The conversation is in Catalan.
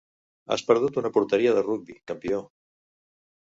Has perdut una porteria de rugbi, campió.